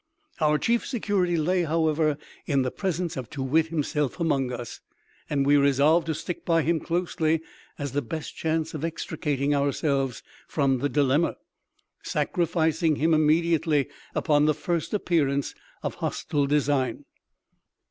Our chief security lay, however, in the presence of Too wit himself among us, and we resolved to stick by him closely, as the best chance of extricating ourselves from the dilemma, sacrificing him immediately upon the first appearance of hostile design.